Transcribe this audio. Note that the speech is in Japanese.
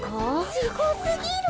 すごすぎる。